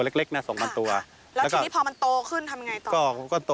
แล้วทีนี้พอมันโตขึ้นทำอย่างไรต่อ